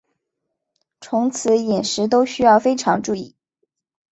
从此饮食都需要非常注意